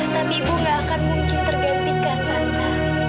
tapi ibu gak akan mungkin tergantikan langkah